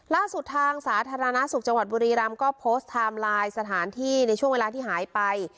ล่าสุดทางสาธารณสุขจังหวัดบุรีรำก็โพสต์ไทม์ไลน์สถานที่ในช่วงเวลาที่หายไป